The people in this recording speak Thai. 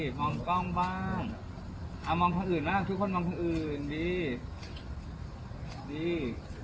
อ่ะมองทางอื่นทุกคนมองทางอื่นดีดี